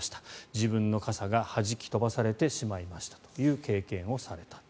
自分の傘がはじき飛ばされてしまいましたという経験をされた。